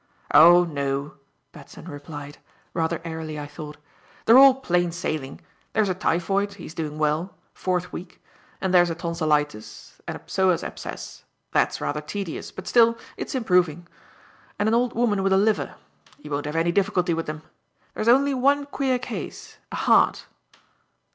"Oh, no," Batson replied, rather airily I thought. "They're all plain sailing. There's a typhoid, he's doing well fourth week; and there's a tonsilitis and a psoas abscess that's rather tedious, but still, it's improving and an old woman with a liver. You won't have any difficulty with them. There's only one queer case; a heart."